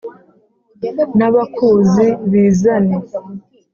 n'abakuzi bizane